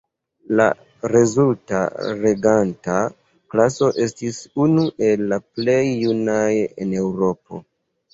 La rezulta reganta klaso estis unu el la plej junaj en Eŭropo.